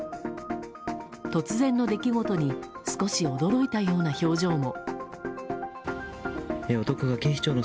突然の出来事に少し驚いたような表情も。